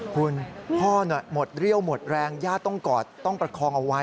คุณพ่อหมดเรี่ยวหมดแรงญาติต้องกอดต้องประคองเอาไว้